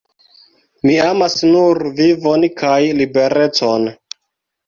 Mi amas nur vivon kaj liberecon"".